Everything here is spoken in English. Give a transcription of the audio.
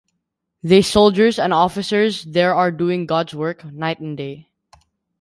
They soldiers and officers there are doing God's work, night and day.